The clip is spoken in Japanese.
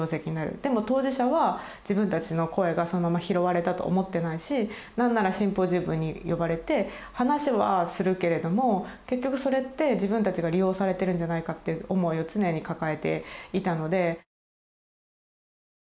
でも当事者は自分たちの声がそのまま拾われたと思ってないし何ならシンポジウムに呼ばれて話はするけれども結局それって自分たちが利用されてるんじゃないかって思いを常に抱えていたので。